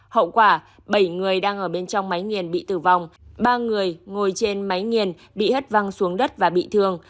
hậu quả bảy người đang ở bên trong máy nghiền bị tử vong ba người ngồi trên máy nghiền bị hất văng xuống đất và bị thương